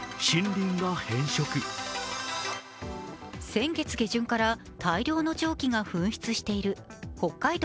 先月下旬から大量の蒸気が噴出している北海道